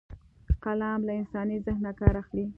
قلم له انساني ذهنه کار اخلي